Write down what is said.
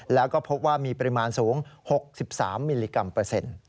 แล้วก็พบว่ามีปริมาณสูง๖๓มิลลิกรัมเปอร์เซ็นต์